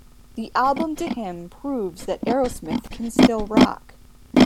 The album, to him, proves that Aerosmith can still rock.